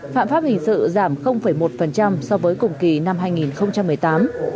phạm pháp hình sự giảm một so với cùng kỳ năm hai nghìn một mươi tám